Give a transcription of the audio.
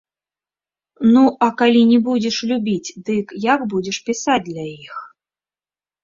Ну, а калі не будзеш любіць, дык як будзеш пісаць для іх?